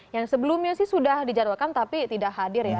yang sebelumnya sih sudah dijadwalkan tapi tidak hadir ya